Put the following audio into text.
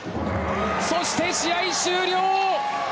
そして試合終了！